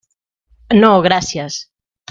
No, gràcies.